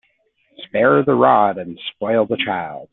Spare the rod and spoil the child.